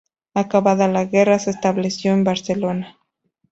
Acabada la guerra, se estableció en Barcelona.